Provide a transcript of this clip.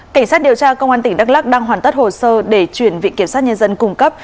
cảnh sát điều tra công an tỉnh đắk lắc đang hoàn tất hồ sơ để chuyển viện kiểm sát nhân dân cung cấp